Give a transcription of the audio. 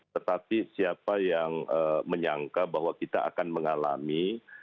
tetapi siapa yang menyangka bahwa kita akan mengalami